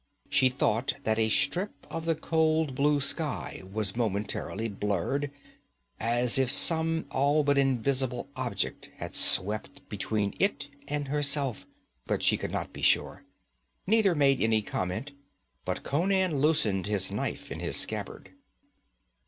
She thought that a strip of the cold blue sky was momentarily blurred, as if some all but invisible object had swept between it and herself, but she could not be sure. Neither made any comment, but Conan loosened his knife in his scabbard.